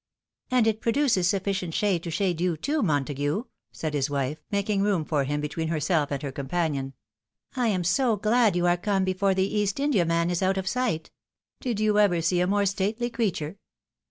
" And it produces sufficient to shade you too, Montague," said his wife, making room for him between herself and her companion. "I am so glad you are come before the East Indiaman is out of sight ! Did you ever see a more stately creature